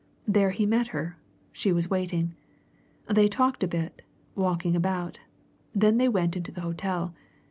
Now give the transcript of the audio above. There he met her she was waiting. They talked a bit, walking about; then they went into the hotel.